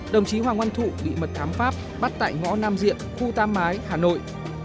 đồng chí hoàng oanh thụ bị mật thám pháp bắt tại ngõ nam diệm khu tam mái hà nội